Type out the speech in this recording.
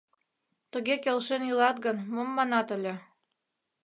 — Тыге келшен илат гын, мом манат ыле».